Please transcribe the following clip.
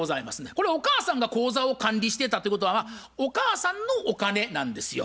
これお母さんが口座を管理してたってことはお母さんのお金なんですよ。